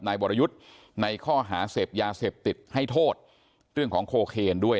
วรยุทธ์ในข้อหาเสพยาเสพติดให้โทษเรื่องของโคเคนด้วย